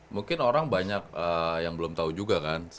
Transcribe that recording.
mungkin orang banyak yang belum tahu juga kan